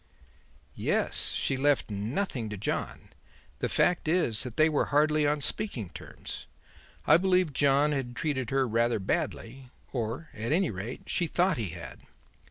"Yes. She left nothing to John. The fact is that they were hardly on speaking terms. I believe John had treated her rather badly, or, at any rate, she thought he had.